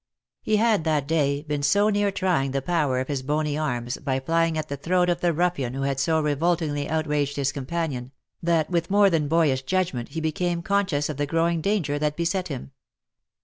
He had that day been so near trying the power of his bony arms, by flying at the throat of the ruffian who had so revoltingly outraged his companion, that with more than boyish judgment he became con scious of the growing danger that beset him.